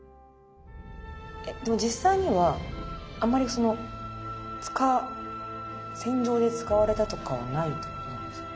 でも実際にはあんまりその戦場で使われたとかはないってことなんですかね？